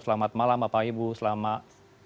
selamat malam bapak ibu selamat